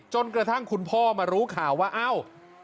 จนกระทั่งคุณพ่อมารู้ข่าวว่าเอ้า